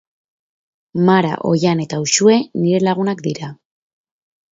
Mara, Oihan eta Uxue nire lagunak dira